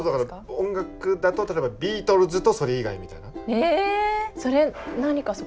音楽だと例えばビートルズとそれ以外みたいな。え！